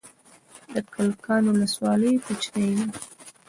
د کلکان ولسوالۍ کوچنۍ ده